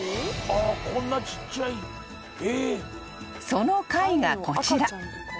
［その貝がこちら］